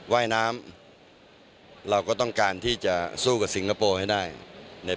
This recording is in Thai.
ว่ายน้ำเราก็ต้องการที่จะสู้กับสิงคโปร์ให้ได้ใน